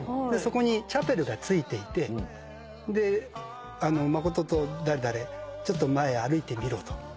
そこにチャペルがついていて「誠と誰々ちょっと前歩いてみろ」と。